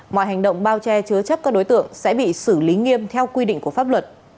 mọi hành động bao che chứa chấp các đối tượng sẽ bị xử lý nghiêm theo quy định của pháp luật